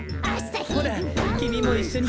ほらきみもいっしょに。